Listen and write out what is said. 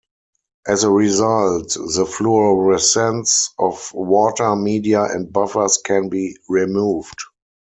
As a result, the fluorescence of water, media, and buffers can be removed.